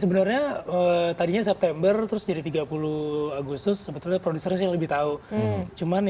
sebenarnya tadinya september terus jadi tiga puluh agustus sebetulnya produsernya sih lebih tahu cuman ya